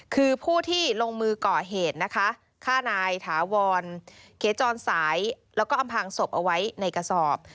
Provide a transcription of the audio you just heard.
คือผู้ที่ลงมือก่อเหตุนะคะฆ่านายถาวรเขจรสายแล้วก็อำพางศพเอาไว้ในกระสอบ